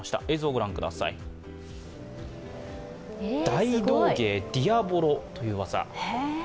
大道芸、ディアボロという技。